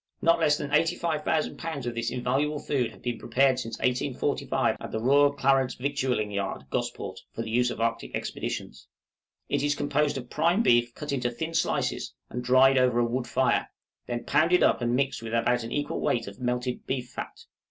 Not less than 85,000 lbs. of this invaluable food have been prepared since 1845 at the Royal Clarence Victualing Yard, Gosport, for the use of the Arctic Expeditions. It is composed of prime beef cut into thin slices and dried over a wood fire; then pounded up and mixed with about an equal weight of melted beef fat.